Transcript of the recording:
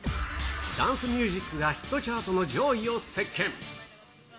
ダンスミュージックがヒットチャートの上位をせっけん。